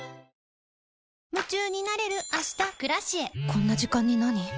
こんな時間になに？